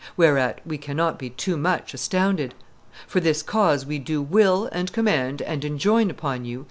Whereat we cannot be too much astounded. ... For this cause we do will and command and enjoin upon you